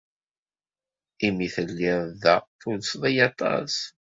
Imi telliḍ da tulseḍ-iyi-d aṭas.